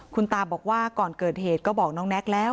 คุณตาบอกว่าก่อนเกิดเหตุก็บอกน้องแน็กแล้ว